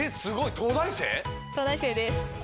東大生です。